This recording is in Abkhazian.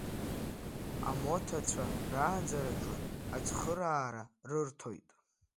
Амоҭацәа рааӡараҿы ацхыраара рырҭоит.